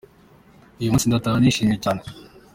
Uyu munsi ndataha nishimye cyane.